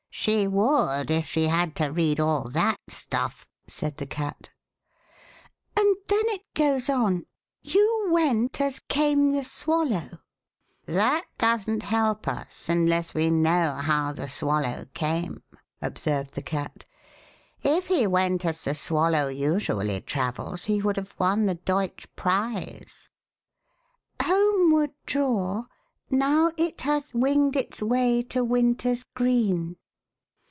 " She would if she had to read all that stuff," said the Cat. 48 Alice in a Fog And then it goes on — Vou went as came the swallow'' That doesn't help us unless we know how the swallow came," observed the Cat. If he went as the swallow usually travels he would have won the Deutsch Prize." ... homeward draw Now it hath winged its way to winters green.